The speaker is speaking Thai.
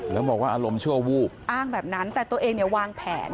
แล้วบอกว่าอารมณ์ชั่ววูบอ้างแบบนั้นแต่ตัวเองเนี่ยวางแผน